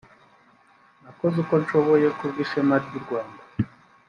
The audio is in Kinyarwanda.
nakoze uko nshoboye ku bw’ishema ry’u Rwanda